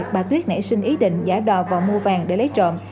bà tuyết nảy sinh ý định giả đò vào mua vàng để lấy trộm